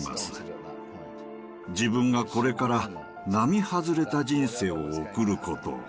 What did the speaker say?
自分がこれから並外れた人生を送ることを。